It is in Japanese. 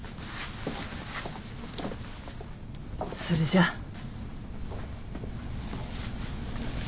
それじゃあ。